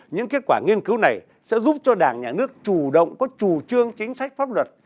những kết quả nghiên cứu này sẽ giúp cho đảng nhà nước chủ động có chủ trương chính sách pháp luật